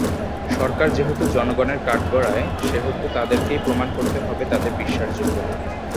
সরকার যেহেতু জনগণের কাঠগড়ায়, সেহেতু তাদেরকেই প্রমাণ করতে হবে তাদের বিশ্বাসযোগ্যতা।